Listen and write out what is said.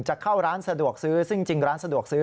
จะเข้าร้านสะดวกซื้อซึ่งจริงร้านสะดวกซื้อ